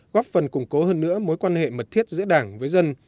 góp phần củng cố hơn nữa mối quan hệ mật thiết giữa đảng với dân